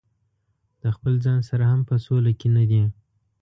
د خپل ځان سره هم په سوله کې نه دي.